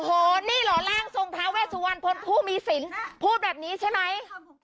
โอ้โหนี่เหรอร่างทรงท้าเวสุวรรณพลผู้มีศิลป์พูดแบบนี้ใช่ไหม